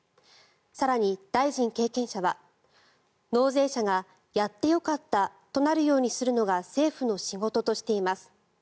更に、大臣経験者は納税者がやってよかったとなるようにするのが政府の仕事としています。